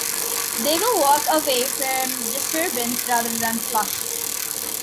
They will walk away from disturbance rather than flush.